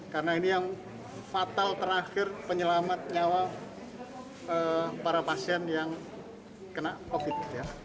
karena ini yang fatal terakhir penyelamat nyawa para pasien yang kena covid sembilan belas